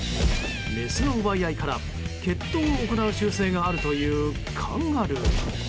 メスの奪い合いから決闘を行う習性があるというカンガルー。